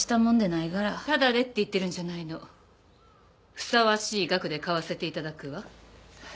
ふさわしい額で買わせていただくわ。